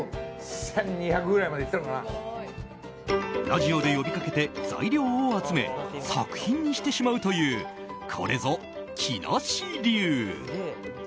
ラジオで呼びかけて材料を集め作品にしてしまうというこれぞ、木梨流。